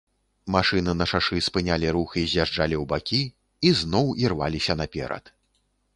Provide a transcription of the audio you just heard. Машыны на шашы спынялі рух і з'язджалі ў бакі, і зноў ірваліся наперад.